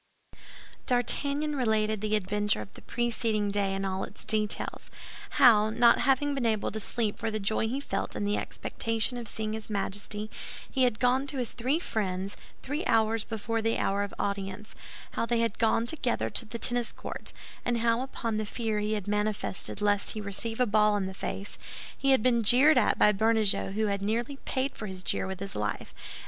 D'Artagnan related the adventure of the preceding day in all its details; how, not having been able to sleep for the joy he felt in the expectation of seeing his Majesty, he had gone to his three friends three hours before the hour of audience; how they had gone together to the tennis court, and how, upon the fear he had manifested lest he receive a ball in the face, he had been jeered at by Bernajoux, who had nearly paid for his jeer with his life, and M.